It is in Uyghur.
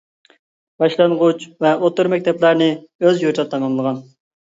باشلانغۇچ ۋە ئوتتۇرا مەكتەپلەرنى ئۆز يۇرتىدا تاماملىغان.